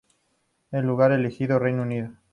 El lugar elegido: Reino Unido.